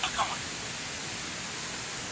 تاريخي پېښې په پوره بې طرفۍ سره وڅېړئ.